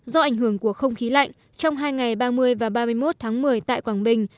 do ảnh hưởng của không khí lạnh trong hai ngày ba mươi và ba mươi một tháng một mươi tại quảng bình